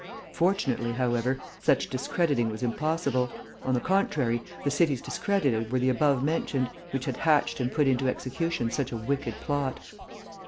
Fortunately, however, such discrediting was impossible: on the contrary, the cities discredited were the above mentioned, which had hatched and put into execution such a wicked plot.